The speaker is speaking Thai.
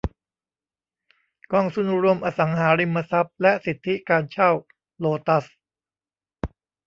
กองทุนรวมอสังหาริมทรัพย์และสิทธิการเช่าโลตัสส์